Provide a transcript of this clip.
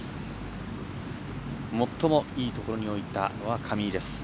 最もいいところに置いたのは上井です。